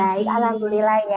baik alhamdulillah ya